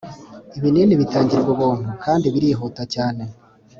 Ibinini bitangirwa Ubuntu kandi birihuta cyane